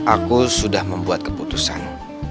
aku sudah membuat keputusan